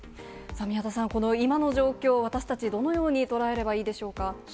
宮田さん、この今の状況、私たち、どのように捉えればいいでしょうか。